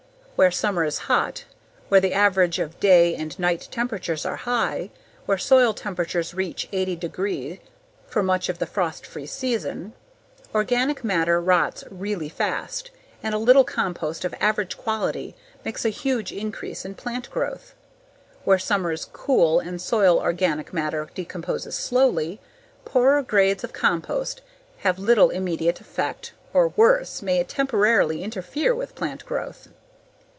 Where summer is hot, where the average of day and night temperatures are high, where soil temperatures reach 80 degree for much of the frost free season, organic matter rots really fast and a little compost of average quality makes a huge increase in plant growth. Where summer is cool and soil organic matter decomposes slowly, poorer grades of compost have little immediate effect, or worse, may temporarily interfere with plant growth.